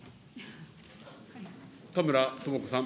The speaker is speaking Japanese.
田村智子さん。